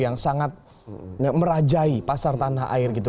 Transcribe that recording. yang sangat merajai pasar tanah air gitu